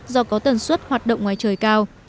do có tần suất hoạt động ngoài trời cao